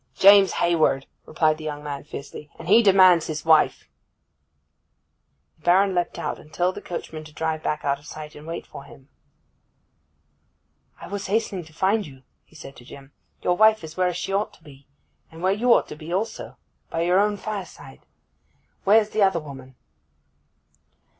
'James Hayward!' replied the young man fiercely, 'and he demands his wife.' The Baron leapt out, and told the coachman to drive back out of sight and wait for him. 'I was hastening to find you,' he said to Jim. 'Your wife is where she ought to be, and where you ought to be also—by your own fireside. Where's the other woman?